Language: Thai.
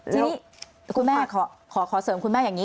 ทีนี้คุณแม่ขอเสริมคุณแม่อย่างนี้